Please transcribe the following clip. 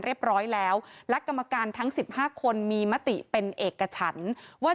เรียบร้อยแล้วและกรรมการทั้ง๑๕คนมีมติเป็นเอกฉันว่า